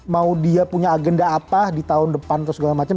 mau dia punya agenda apa di tahun depan atau segala macam